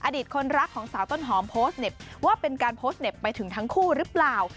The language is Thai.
อดีตคนรักของสาวต้นหอมโพสต์เน็บว่าเป็นการโพสต์เหน็บไปถึงทั้งคู่หรือเปล่า